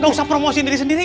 gak usah promosiin diri sendiri